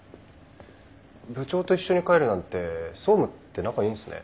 部長と一緒に帰るなんて総務って仲いいんすね。